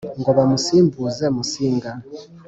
ngo bamusimbuze Musinga